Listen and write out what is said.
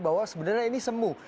bahwa sebenarnya ini semu